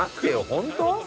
本当？